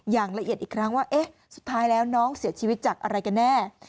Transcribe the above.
อย่างละเอียดอีกครั้งว่าเอ๊ะสุดท้ายแล้วน้องเสียชีวิตจากอะไรกันแน่